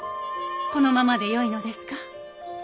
このままでよいのですか？